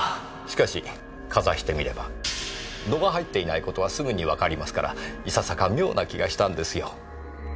しかしかざしてみれば度が入っていない事はすぐにわかりますからいささか妙な気がしたんですよ。